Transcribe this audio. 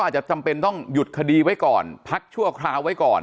ใช่ค่ะ